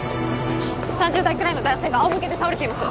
３０代くらいの男性があおむけで倒れています